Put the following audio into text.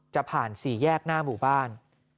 จะผ่านสี่แยกหน้าหมู่บ้าน